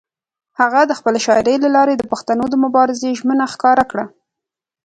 هغه د خپلې شاعرۍ له لارې د پښتنو د مبارزې ژمنه ښکاره کړه.